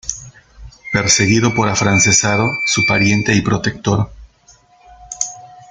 Perseguido por afrancesado su pariente y protector.